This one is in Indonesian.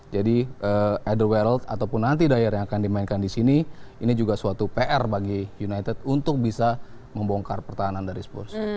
jadi elderweald ataupun nanti dyer yang akan dimainkan di sini ini juga suatu pr bagi united untuk bisa membongkar pertahanan dari spurs